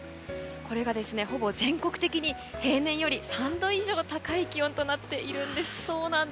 これが、ほぼ全国的に平年より３度以上高い気温となっているんです。